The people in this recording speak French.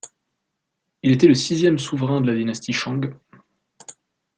Il était le sixième souverain de la dynastie Shang.